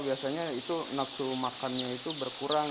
biasanya itu nafsu makannya itu berkurang